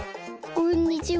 こんにちは。